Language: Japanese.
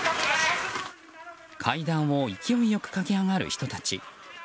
階段を勢いよく駆け上がる人たち。